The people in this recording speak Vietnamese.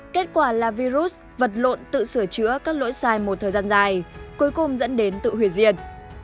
kết quả là virus vật lộn tự sửa chữa các lỗi sai một thời gian dài cuối cùng dẫn đến tự hủy diệt